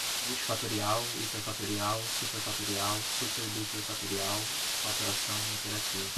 multifatorial, hiperfatorial, superfatorial, superduperfatorial, fatoração, iterativo